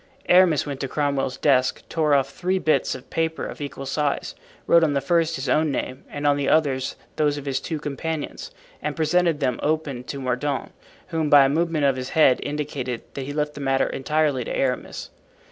Aramis went to Cromwell's desk, tore off three bits of paper of equal size, wrote on the first his own name and on the others those of his two companions, and presented them open to Mordaunt, who by a movement of his head indicated that he left the matter entirely to Aramis.